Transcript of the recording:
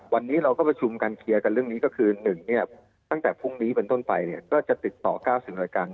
วันนี้เราก็ประชุมกันเคลียร์กันเรื่องนี้ก็คือ๑ตั้งแต่พรุ่งนี้เป็นต้นไปก็จะติดต่อ๙๐รายการ